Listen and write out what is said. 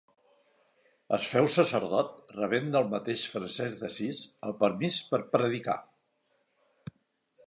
Es féu sacerdot, rebent del mateix Francesc d'Assís el permís per predicar.